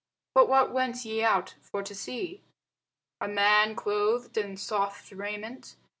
But what went ye out for to see? A man clothed in soft raiment?